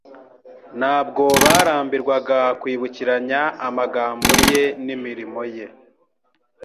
Ntabwo barambirwaga kwibukiranya amagambo ye n'imirimo ye.